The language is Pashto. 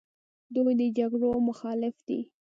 دوی د جګړو مخالف دي.